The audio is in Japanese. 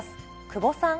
久保さん。